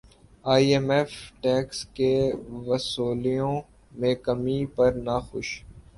ئی M F tax کی وصولیوں میں کمی پر ناخوش